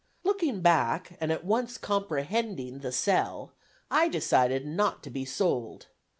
Looking back and at once comprehending the "sell," I decided not to be sold.